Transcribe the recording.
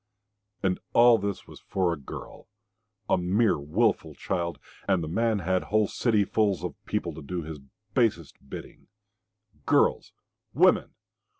And all this was for a girl, a mere wilful child! And the man had whole cityfuls of people to do his basest bidding girls, women!